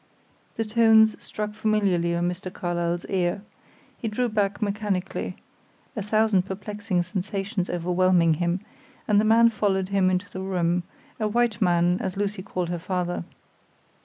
The tones struck familiarly on Mr. Carlyle's ear. He drew back mechanically, a thousand perplexing sensations overwhelming him, and the man followed him into the room a white man, as Lucy called her father.